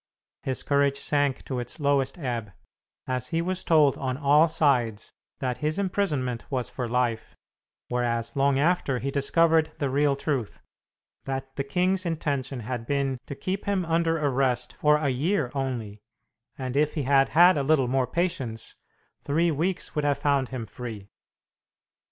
His courage sank to its lowest ebb, as he was told on all sides that his imprisonment was for life, whereas long after he discovered the real truth, that the king's intention had been to keep him under arrest for a year only, and if he had had a little more patience, three weeks would have found him free.